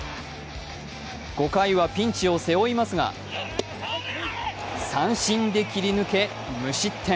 ５回はピンチを背負いますが、三振で切り抜け無失点。